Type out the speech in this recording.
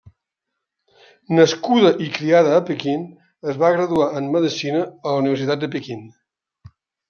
Nascuda i criada a Pequín, es va graduar en medicina a la Universitat de Pequín.